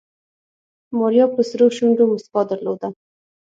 ماريا په سرو شونډو موسکا درلوده.